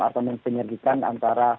atau menginjirgikan antara